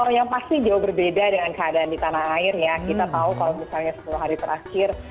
yang pasti jauh berbeda dengan keadaan di tanah air ya kita tahu kalau misalnya sepuluh hari terakhir